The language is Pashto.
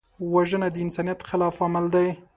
وژنه د انسانیت خلاف عمل دی